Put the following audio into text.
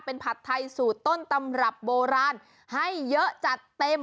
เป็นผัดไทยสูตรต้นตำรับโบราณให้เยอะจัดเต็ม